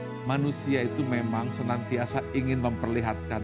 karena manusia itu memang senantiasa ingin memperlihatkan